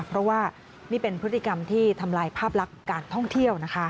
เพราะว่านี่เป็นพฤติกรรมที่ทำลายภาพลักษณ์การท่องเที่ยวนะคะ